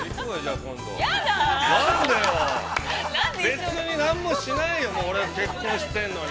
◆別に何もしないよ、もう俺は結婚してんのに。